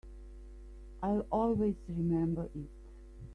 I'll always remember it.